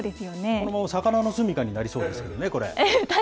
このまま魚の住みかになりそうですけどね、これ。